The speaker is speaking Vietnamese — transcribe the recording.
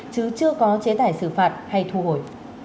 chứ chưa có chế tài xử phạt hay thu hồi